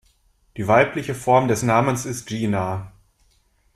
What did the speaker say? Die weibliche Form des Namens ist Gina.